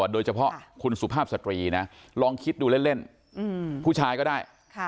โดยเฉพาะคุณสุภาพสตรีนะลองคิดดูเล่นผู้ชายก็ได้